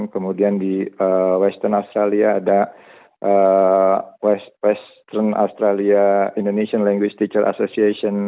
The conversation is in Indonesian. kemudian di western australia ada indonesian language teacher association